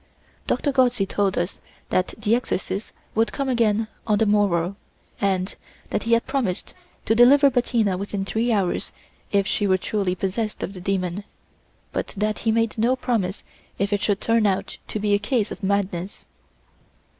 Doctor Gozzi told us that the exorcist would come again on the morrow, and that he had promised to deliver Bettina within three hours if she were truly possessed of the demon, but that he made no promise if it should turn out to be a case of madness.